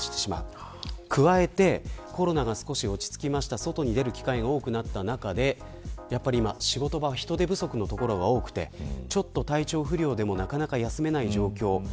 加えて、コロナが少し落ち着いて外に出る機会が多くなった中で職場が人手不足の所が多くてちょっと体調不良になってもなかなか休めない状況。